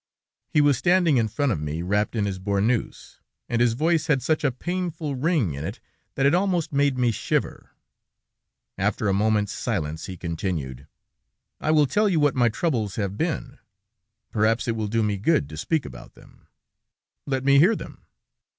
He was standing in front of me, wrapped in his bournoose, and his voice had such a painful ring in it that it almost made me shiver; after a moment's silence, he continued: "I will tell you what my troubles have been; perhaps it will do me good to speak about them." "Let me hear them."